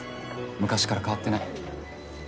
昔から変わってない。